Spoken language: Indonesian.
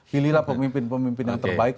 pilihlah pemimpin pemimpin yang terbaik